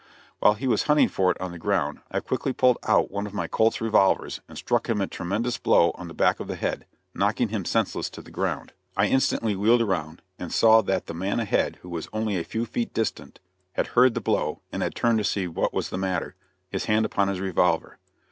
While he was hunting for it on the ground, I quickly pulled out one of my Colt's revolvers and struck him a tremendous blow on the back of the head, knocking him senseless to the ground. I then instantly wheeled around, and saw that the man ahead who was only a few feet distant, had heard the blow and had turned to see what was the matter, his hand upon his revolver.